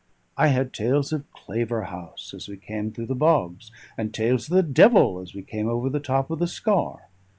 I had tales of Claverhouse as we came through the bogs, and tales of the devil as we came over the top of the scaur.